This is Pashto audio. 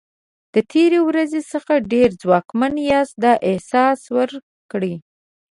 د تېرې ورځې څخه ډېر ځواکمن یاست دا احساس ورکړئ.